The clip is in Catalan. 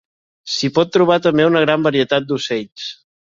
S'hi pot trobar també una gran varietat d’ocells.